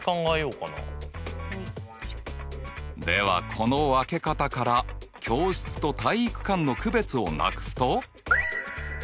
この分け方から教室と体育館の区別をなくすと。